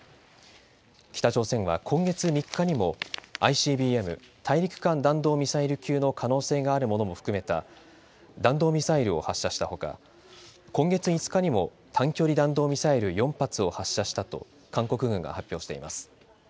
北朝鮮は今月３日にもＩＣＢＭ・大陸間弾道ミサイル級の可能性があるものも含めた弾道ミサイルを発射したほか今月５日にも短距離弾道ミサイル４発を発射したと韓国軍が発表しています。